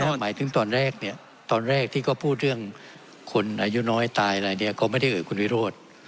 หมายถึงตอนแรกเนี่ยตอนแรกที่เขาพูดเรื่องคนอายุน้อยตายอะไรเนี่ยเขาไม่ได้เอ่ยคุณวิโรธ